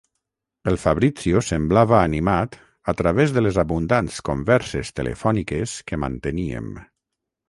El Fabrizio semblava animat a través de les abundants converses telefòniques que manteníem.